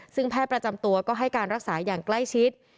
ซึ่งแพทย์ประจำตัวก็ให้การรักษาอย่างใกล้ชิด